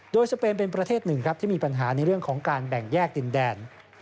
โดยสเปนเป็นประเทศหนึ่งครับที่มีปัญหาในเรื่องของการแบ่งแยกดินแดน